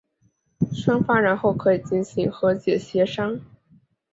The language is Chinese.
双方然后可以进行和解协商。